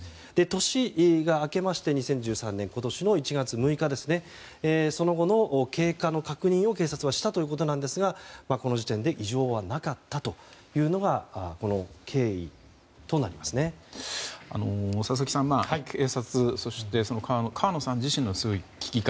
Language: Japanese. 年が明けまして２０２３年今年の１月６日その後の経過の確認を警察はしたということですがこの時点で異常はなかったというのが佐々木さん、警察そして川野さん自身の強い危機感。